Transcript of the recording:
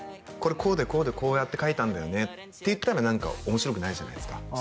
これこうでこうでこうやって描いたんだよねって言ったら何か面白くないじゃないですか